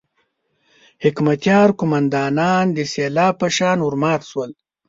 حکمتیار قوماندانان د سېلاب په شان ورمات شول.